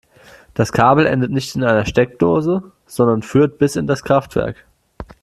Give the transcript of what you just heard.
Das Kabel endet nicht in einer Steckdose, sondern führt bis in das Kraftwerk.